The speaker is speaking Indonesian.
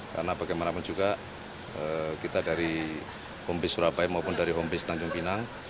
karena bagaimanapun juga kita dari home base surabaya maupun dari home base tanjung